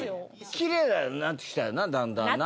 キレイになってきたよなだんだんな。